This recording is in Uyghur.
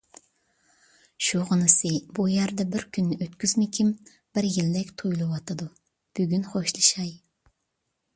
شۇغىنىسى بۇ يەردە بىر كۈننى ئۆتكۈزمىكىم بىر يىلدەك تۇيۇلۇۋاتىدۇ، بۈگۈن خوشلىشاي.